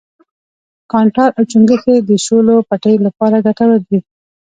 کانټار او چنگښې د شولو پټیو لپاره گټور وي.